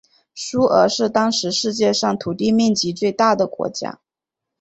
苏俄是当时世界上土地面积最大的国家。